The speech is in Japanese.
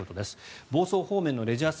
房総方面のレジャー